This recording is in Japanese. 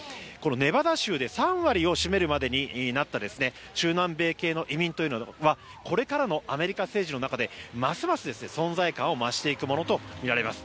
ネバダ州で３割を占めるまでになった中南米系の移民というのはこれからのアメリカ政治の中でますます存在感を増していくものとみられます。